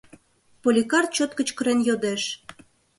— Поликар чот кычкырен йодеш.